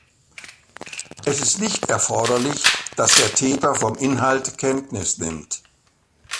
Es ist nicht erforderlich, dass der Täter vom Inhalt Kenntnis nimmt.